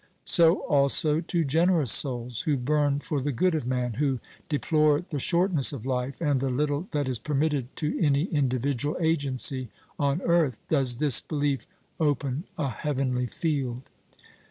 So, also, to generous souls, who burn for the good of man, who deplore the shortness of life, and the little that is permitted to any individual agency on earth, does this belief open a heavenly field.